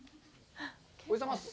おはようございます。